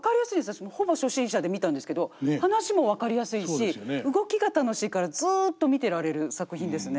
私ほぼ初心者で見たんですけど話も分かりやすいし動きが楽しいからずっと見てられる作品ですね。